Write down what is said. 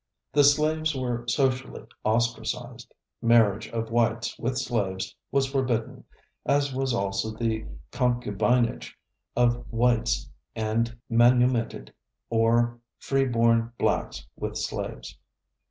The slaves were socially ostracized. Marriage of whites with slaves was forbidden, as was also the concubinage of whites and manumitted or free born blacks with slaves.